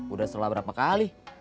udah setelah berapa kali